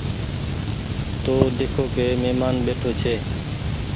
تو ۮيکو ڪي مهمآن ٻيٺي ڇي۔